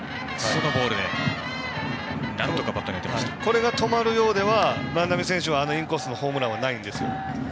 これが止まるようでは万波選手はインコースのホームランはないんです。